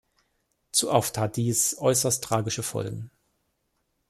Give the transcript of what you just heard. Zu oft hat dies äußerst tragische Folgen.